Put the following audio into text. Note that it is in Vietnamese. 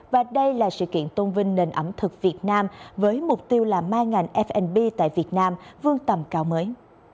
và đây là sự kiện tôn vinh nền ẩm thực việt nam với mục tiêu là mang ngành mnb tại việt nam vương tầm cao mới